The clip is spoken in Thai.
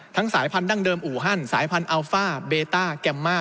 ทั้งสายพันธุ์ดั่งเดิมอูฮั่นสายพันธุ์อัลฟ่าเบต้าแกมม่า